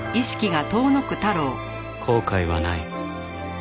後悔はない